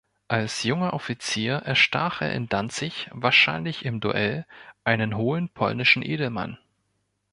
Als junger Offizier erstach er in Danzig, wahrscheinlich im Duell, einen hohen polnischen Edelmann.